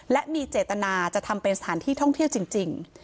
และมีเจตนาจะทำเป็นสถานที่ท่องเที่ยวจริง